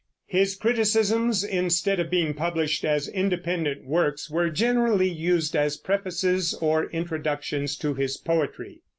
His criticisms, instead of being published as independent works, were generally used as prefaces or introductions to his poetry.